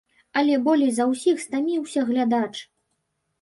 Але болей за ўсіх стаміўся глядач.